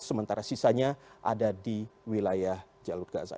sementara sisanya ada di wilayah jalur gaza